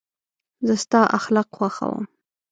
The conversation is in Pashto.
زه ستا اخلاق خوښوم.